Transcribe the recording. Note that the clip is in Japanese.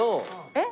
えっ！